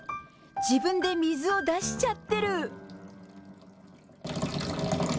自分で水を出しちゃってる。